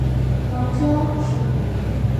پاچا شو.